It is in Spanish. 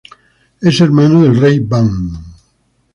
Es hermano del rey Ban.